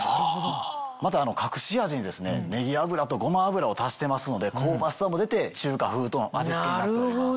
また隠し味にネギ油とゴマ油を足してますので香ばしさも出て中華風の味付けになっております。